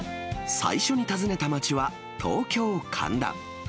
最初に訪ねた街は、東京・神田。